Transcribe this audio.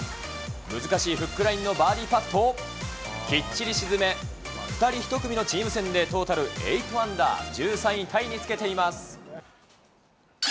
難しいフックラインのバーディーパットをきっちり沈め、２人１組のチーム戦でトータルエイトアンダー、１３位タイにつけています。